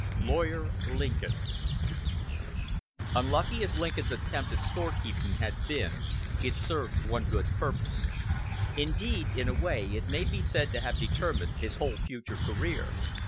LAWYER LINCOLN Unlucky as Lincoln's attempt at storekeeping had been, it served one good purpose. Indeed, in a way it may be said to have determined his whole future career.